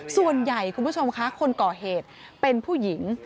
ส่วนใหญ่คุณผู้ชมค่ะคนก่อเหตุเป็นผู้หญิง